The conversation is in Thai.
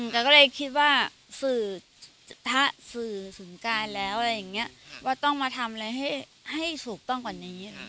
ก็เลยคิดว่าสื่อพระสื่อสงการแล้วอะไรอย่างนี้ว่าต้องมาทำอะไรให้ถูกต้องกว่านี้